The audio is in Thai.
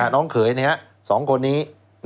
น้องเขย๒คนนี้